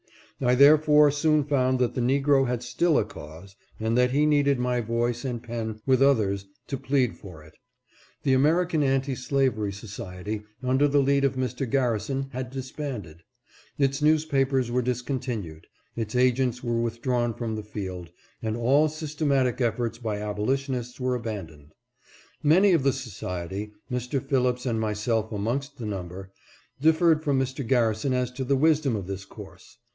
I therefore soon found that the Negro had still a cause, and that he needed my voice and pen with others to plead for it. The American Anti Slavery Society under the lead of Mr. Garrison had disbanded, its newspapers were discontinued, its agents were withdrawn from the field, and all systematic efforts by abolitionists were abandoned. Many of the society, Mr. Phillips and myself amongst the number, differed from Mr. Garrison as to the wisdom of this course.